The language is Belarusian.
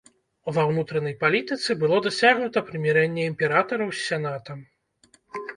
Ва ўнутранай палітыцы было дасягнута прымірэнне імператараў з сенатам.